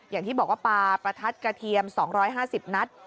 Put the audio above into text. อย่างที่บอกว่าปลาประทัดกระเทียม๒๕๐นัด